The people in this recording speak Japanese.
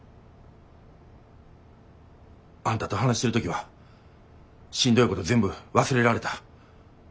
あんたと話してる時はしんどいこと全部忘れられた。